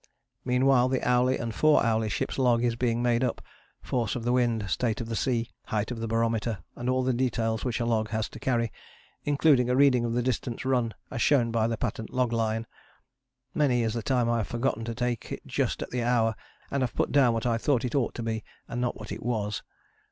Meanwhile, the hourly and four hourly ship's log is being made up force of the wind, state of the sea, height of the barometer, and all the details which a log has to carry including a reading of the distance run as shown by the patent log line (many is the time I have forgotten to take it just at the hour and have put down what I thought it ought to be, and not what it was).